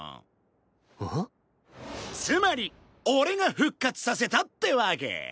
つまり俺が復活させたってわけ！